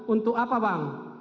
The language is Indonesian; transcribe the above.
untuk apa bang